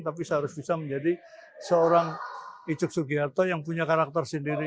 tapi saya harus bisa menjadi seorang icuk sugiharto yang punya karakter sendiri